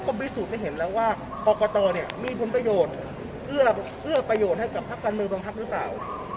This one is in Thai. ก็วิสูจน์ได้เห็นแล้วว่าปรากฏวเนี้ยมีคุณประโยชน์เพื่อเพื่อประโยชน์ให้กับพักกันมือบางพักหรือเปล่า